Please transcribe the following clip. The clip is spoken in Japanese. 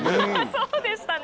そうでしたね！